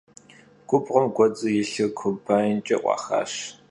Gubğuem guedzu yilhır kombaynç'e 'uaxaş.